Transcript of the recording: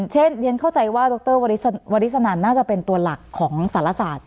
เช่นเรียนเข้าใจว่าดรวริสนันน่าจะเป็นตัวหลักของสารศาสตร์